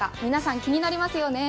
皆さん気になりますよ。